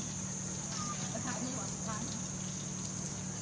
สุดท้ายสุดท้ายสุดท้าย